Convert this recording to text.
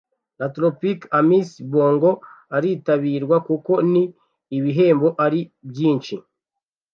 la tropicale Amissa Bongo aritabirwa kuko ni ibihembo ari byinshi